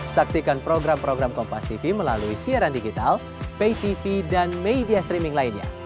saksikan program program kompas tv melalui siaran digital pay tv dan media streaming lainnya